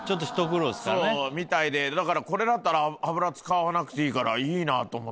そうみたいでだからこれだったら油使わなくていいからいいなと思って。